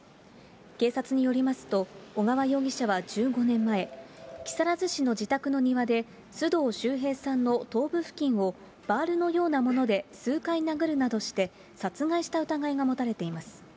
警察によりますと、小川容疑者は１５年前、木更津市の自宅の庭で、須藤秀平さんの頭部付近をバールのようなもので数回殴るなどして殺害した疑いが持たれています。